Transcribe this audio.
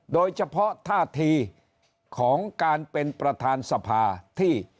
โดยเฉพาะท่าทีของการเป็นประธานสภาที่